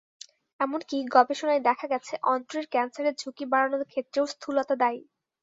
এমনকি গবেষণায় দেখা গেছে, অন্ত্রের ক্যানসারের ঝুঁকি বাড়ানোর ক্ষেত্রেও স্থূলতা দায়ী।